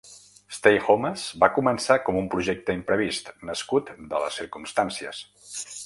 Stay Homas va començar com un projecte imprevist, nascut de les circumstàncies.